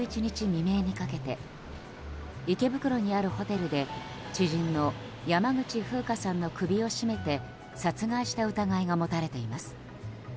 未明にかけて池袋にあるホテルで知人の山口ふうかさんの首を絞めて殺害した疑いが持たれています。